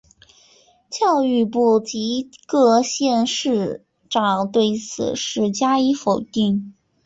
教育部及各县市长对此事加以否认。